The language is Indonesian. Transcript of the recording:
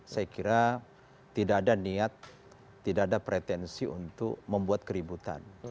saya kira tidak ada niat tidak ada pretensi untuk membuat keributan